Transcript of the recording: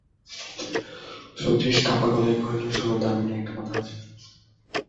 শচীশ কাঁপা গলায় কহিল, শোনো দামিনী, একটা কথা আছে।